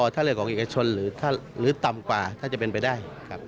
ถ้าเรื่องของเอกชนหรือต่ำกว่าถ้าจะเป็นไปได้ครับ